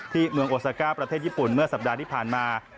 ที่เมืองโอซาก้าประเทศญี่ปุ่นเมื่อสัปดาห์ที่ผ่านมา